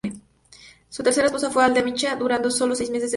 Su tercera esposa fue Adela Micha, durando sólo seis meses de casados.